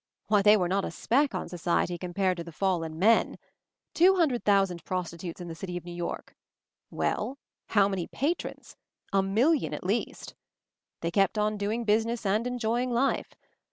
Why they were not a speck on society compared to the 'fallen men.' Two hundred thousand prostitutes in the city of New York — well? How many patrons ? A million, at the least. They kept on doing business, and enjoying life.